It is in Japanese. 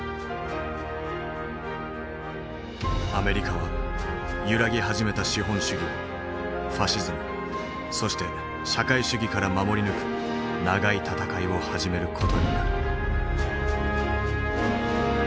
アメリカは揺らぎ始めた資本主義をファシズムそして社会主義から守り抜く長い闘いを始める事になる。